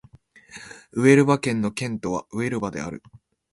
ウエルバ県の県都はウエルバである